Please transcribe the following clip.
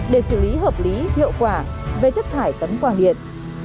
để xử lý hợp lý hiệu quả về chất thải tấm khoang điện